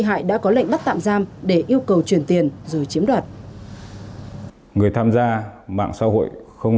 hại đã có lệnh bắt tạm giam để yêu cầu truyền tiền rồi chiếm đoạt người tham gia mạng xã hội không